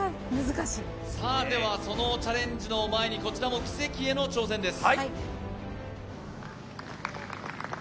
そのチャレンジの前に、こちらも奇跡への挑戦です。